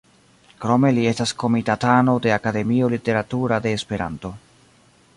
Krome li estas komitatano de Akademio Literatura de Esperanto.